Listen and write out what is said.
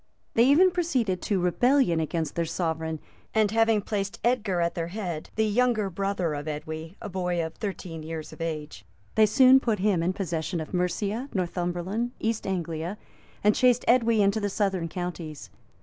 They even proceeded to rebellion against their sovereign; and having placed Edgar at their head, the younger brother of Edwy, a boy of thirteen years of age, they soon put him in possession of Mercia, Northumberland, East Anglia, and chased Edwy into the southern counties.